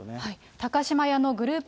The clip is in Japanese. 高島屋のグループ